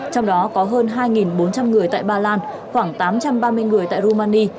trong đó có hơn hai bốn trăm linh người tại ba lan khoảng tám trăm ba mươi người tại romani